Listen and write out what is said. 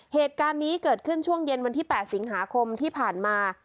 เหตุการณ์นี้เกิดขึ้นช่วงเย็นวันที่๘สิงหาคมที่ผ่านมา